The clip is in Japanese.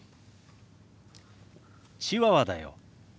チワワだよ。